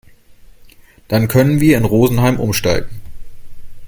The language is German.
Dann können wir in Rosenheim umsteigen.